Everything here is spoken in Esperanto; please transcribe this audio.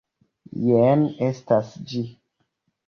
Jen estas ĝi!